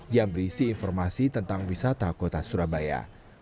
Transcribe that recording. yang berisi informasi tentang wisata kota surabaya